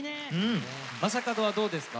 正門はどうですか？